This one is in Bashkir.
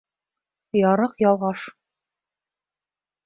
Ярыҡ ялғаш